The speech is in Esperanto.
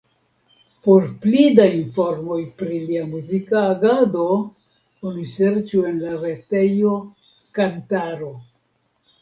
Por pli da informoj pri lia muzika agado, oni serĉu en la retejo Kantaro.